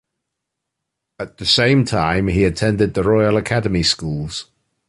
At the same time he attended the Royal Academy schools.